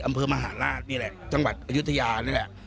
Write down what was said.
อำเภอมหาราชนี่แหละจังหวัดอายุทยานี่แหละ